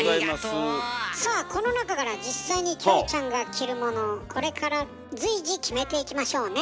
さあこの中から実際にキョエちゃんが着るものをこれから随時決めていきましょうね。